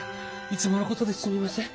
いつものことですみません。